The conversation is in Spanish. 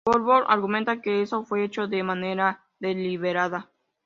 Volkov argumenta que eso fue hecho de manera "deliberada".